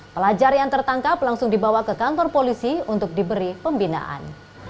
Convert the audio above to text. pelajar yang tertangkap langsung dibawa ke kantor polisi untuk diberi pembinaan